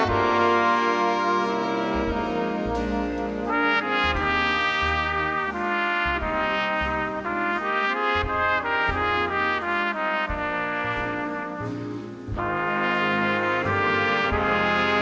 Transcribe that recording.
โปรดติดตามต่อไป